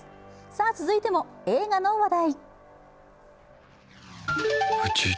さあ、続いても映画の話題。